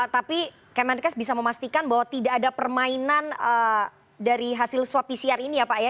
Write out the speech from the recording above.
tapi kemenkes bisa memastikan bahwa tidak ada permainan dari hasil swab pcr ini ya pak ya